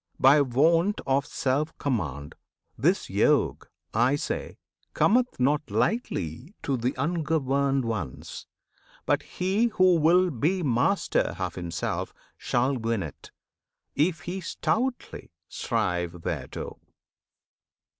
By wont of self command. This Yog, I say, Cometh not lightly to th' ungoverned ones; But he who will be master of himself Shall win it, if he stoutly strive thereto.